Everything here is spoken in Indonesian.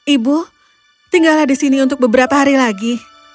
ibu tinggallah di sini untuk beberapa hari lagi